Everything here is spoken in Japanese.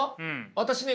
私ね